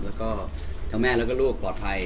แล้วก็ทั้งแม่แล้วก็ลูกปลอดภัย